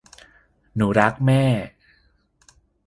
หนูรักแม่